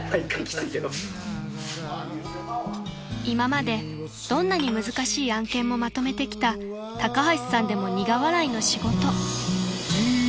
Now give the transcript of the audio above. ［今までどんなに難しい案件もまとめてきた高橋さんでも苦笑いの仕事］